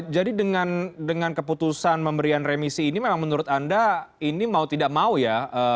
jadi dengan keputusan memberikan remisi ini memang menurut anda ini mau tidak mau ya